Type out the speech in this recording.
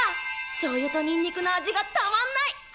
しょうゆとにんにくの味がたまんない！